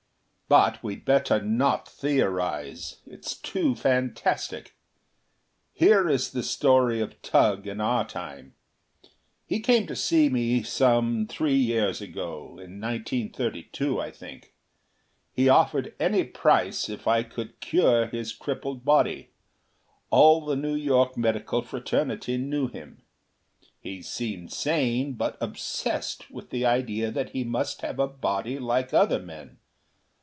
"But we'd better not theorize; it's too fantastic. Here is the story of Tugh in our Time. He came to me some three years ago; in 1932, I think. He offered any price if I could cure his crippled body. All the New York medical fraternity knew him. He seemed sane, but obsessed with the idea that he must have a body like other men.